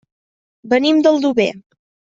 Venim d'Aldover.